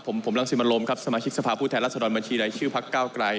ผมรังสิมรมครับสมาชิกสภาพุทธแหละสะดอนบัญชีในชื่อภักด์ก้าวกราย